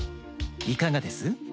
いかがです？